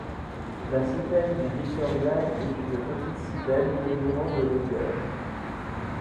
La Sittelle du Victoria est une petite sittelle, mesurant de longueur.